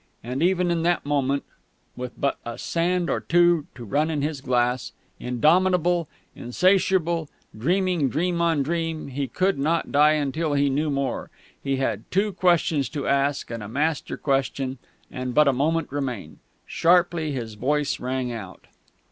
And even in that moment, with but a sand or two to run in his glass, indomitable, insatiable, dreaming dream on dream, he could not die until he knew more. He had two questions to ask, and a master question; and but a moment remained. Sharply his voice rang out.